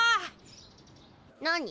何？